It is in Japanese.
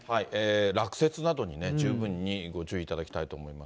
落雪などに十分にご注意いただきたいと思います。